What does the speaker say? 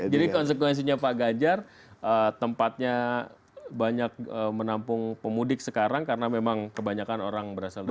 jadi konsekuensinya pak ganjar tempatnya banyak menampung pemudik sekarang karena memang kebanyakan orang berasal dari situ